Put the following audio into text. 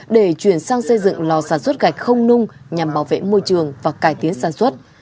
để chuyển sang xây dựng lò sản xuất gạch không nung nhằm bảo vệ môi trường và cải tiến sản xuất